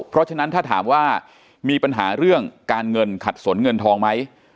เพราะฉะนั้นถ้าถามว่ามีปัญหาเรื่องการเงินขัดสนเงินทองไหม